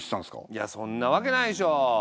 いやそんなわけないでしょう。